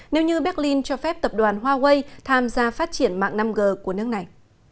nếu như berlin cho phép tập đoàn huawei tham gia phát triển mạng năm g của nước này